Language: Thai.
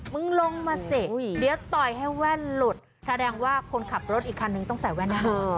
มึงลงมาสิเดี๋ยวต่อยให้แว่นหลุดแสดงว่าคนขับรถอีกคันนึงต้องใส่แว่นให้เธอ